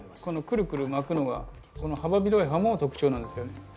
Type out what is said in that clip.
このくるくる巻くのがこの幅広い葉も特徴なんですよね。